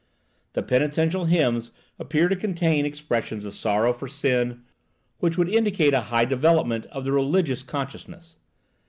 The penitential hymns appear to contain expressions of sorrow for sin, which would indicate a high development of the religious consciousness.